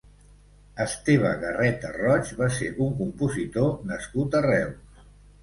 Esteve Garreta Roig va ser un compositor nascut a Reus.